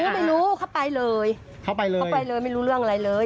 ไม่รู้เขาไปเลยเขาไปเลยเขาไปเลยไม่รู้เรื่องอะไรเลย